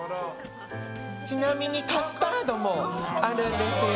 ちなみにカスタードもあるんですよ。